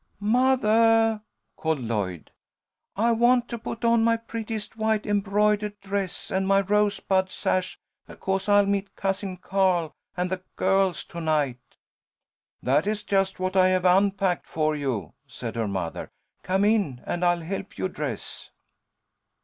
"Mothah," called Lloyd, "I want to put on my prettiest white embroidered dress and my rosebud sash, because I'll meet Cousin Carl and the girls to night." "That is just what I have unpacked for you," said her mother. "Come in and I'll help you dress."